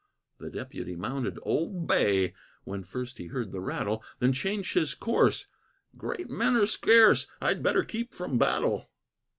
The Deputy mounted "Old Bay," When first he heard the rattle, Then changed his course "Great men are scarce, I'd better keep from battle."